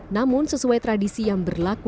namun sesuai tradisi yang berlaku